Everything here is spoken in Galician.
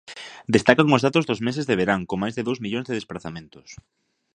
Destacan os datos dos meses de verán, con máis de dous millóns de desprazamentos.